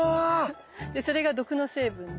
でそれが毒の成分で。